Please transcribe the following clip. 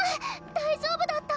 大丈夫だった？